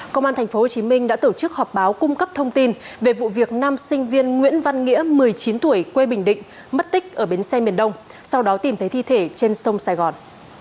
công an tp hcm đã tổ chức họp báo cung cấp thông tin về vụ việc năm sinh viên nguyễn văn nghĩa một mươi chín tuổi quê bình định mất tích ở bến xe miền đông sau đó tìm thấy thi thể trên sông sài gòn